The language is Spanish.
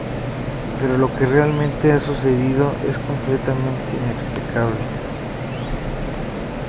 Pero lo que realmente ha sucedido es completamente inexplicable.